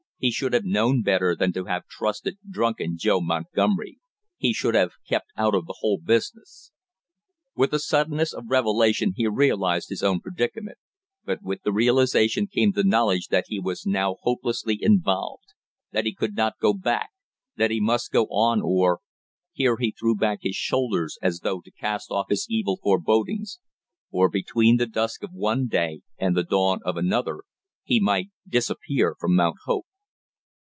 He should have known better than to have trusted drunken Joe Montgomery; he should have kept out of the whole business With the suddenness of revelation he realized his own predicament, but with the realization came the knowledge that he was now hopelessly involved; that he could not go back; that he must go on, or here he threw back his shoulders as though to cast off his evil forebodings or between the dusk of one day and the dawn of another, he might disappear from Mount Hope.